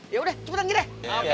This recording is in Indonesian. ya udah cepetan lagi deh